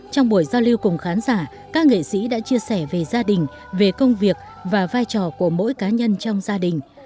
trong buổi giao lưu cùng khán giả các nghệ sĩ đã chia sẻ về gia đình về công việc và vai trò của mỗi cá nhân trong gia đình